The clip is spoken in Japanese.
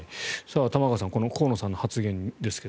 玉川さん河野さんの発言ですが。